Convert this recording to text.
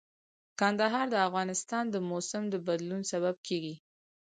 کندهار د افغانستان د موسم د بدلون سبب کېږي.